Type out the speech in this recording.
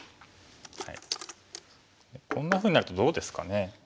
こんなふうになるとどうですかね？